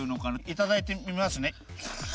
いただいてみますね。